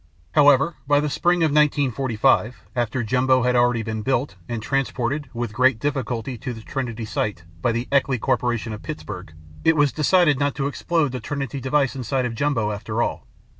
However, by the spring of 1945, after Jumbo had already been built and transported (with great difficulty) to the Trinity Site by the Eichleay Corporation of Pittsburgh, it was decided not to explode the Trinity device inside of Jumbo after all.